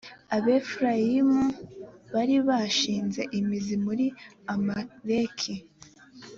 abefurayimu bari bashinze imizi muri amaleki